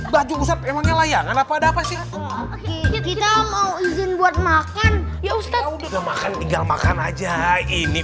baju besar emangnya layangan apa apa sih kita mau izin buat makan ya ustadz udah makan tinggal makan aja ini